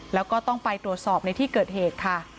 แล้วก็ต้องไปตรวจสอบในที่เกิดเหตุค่ะ